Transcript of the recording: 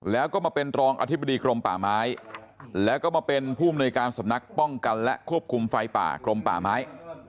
แล้วก็มาเป็นรองอธิบดีกรมป่าไม้แล้วก็มาเป็นผู้มนุยการสำนักป้องกันและควบคุมไฟป่ากรมป่าไม้